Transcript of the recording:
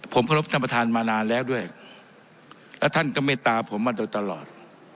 ผมเคารพท่านประธานมานานแล้วด้วยและท่านก็เมตตาผมมาโดยตลอด